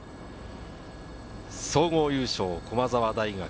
総合優勝、駒澤大学。